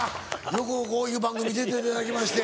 よくこういう番組出ていただきまして。